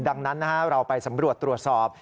ดังนั้นเราไปสำรวจตรวจสอบ